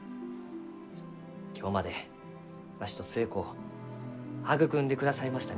今日まで、わしと寿恵子を育んでくださいました